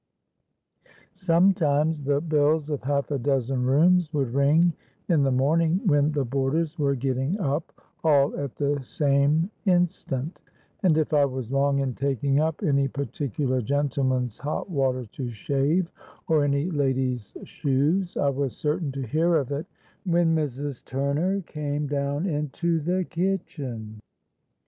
Sometimes the bells of half a dozen rooms would ring in the morning, when the boarders were getting up, all at the same instant; and if I was long in taking up any particular gentleman's hot water to shave, or any lady's shoes, I was certain to hear of it when Mrs. Turner came down into the kitchen.